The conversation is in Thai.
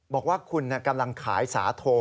บอกว่าคุณกำลังขายสาโท